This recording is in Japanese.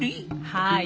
はい。